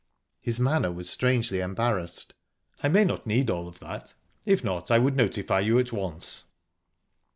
His manner was strangely embarrassed. "I may not need all of that. If not, I would notify you at once."